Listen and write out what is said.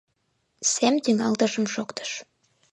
Сем тӱҥалтышым шоктыш.